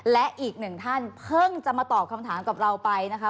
และอีกหนึ่งท่านเพิ่งจะมาตอบคำถามกับเราไปนะคะ